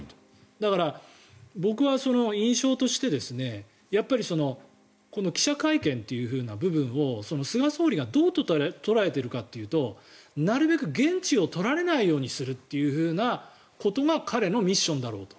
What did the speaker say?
だから、僕は印象としてこの記者会見という部分を菅総理がどう捉えているかというとなるべく言質を取られないようにするということが彼のミッションだろうと。